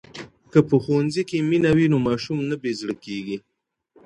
که په ښوونځي کي مینه وي نو ماشوم نه بې زړه کيږي.